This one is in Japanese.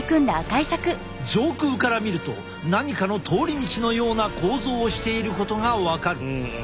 上空から見ると何かの通り道のような構造をしていることが分かる。